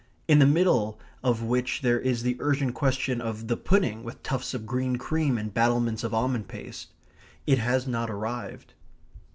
in the middle of which there is the urgent question of the pudding with tufts of green cream and battlements of almond paste. It has not arrived.